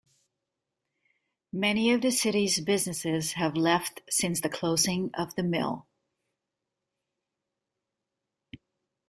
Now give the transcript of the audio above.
Many of the city's businesses have left since the closing of the mill.